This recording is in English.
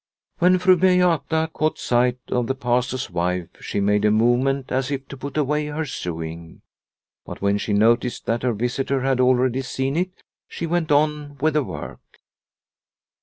When Fru Beata caught sight of the Pastor's wife she made a movement as if to put away her sewing. But when she noticed that her visitor had already seen it she went on with the work.